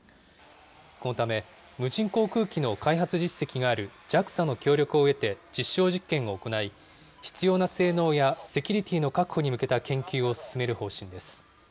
このため、無人航空機の開発実績があるＪＡＸＡの協力を得て実証実験を行い、必要な性能やセキュリティの確保に向けた研究を進める方針です。